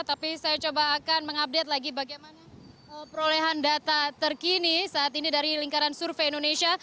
tapi saya coba akan mengupdate lagi bagaimana perolehan data terkini saat ini dari lingkaran survei indonesia